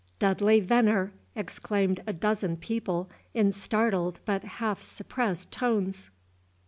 "Dudley Venner," exclaimed a dozen people, in startled, but half suppressed tones.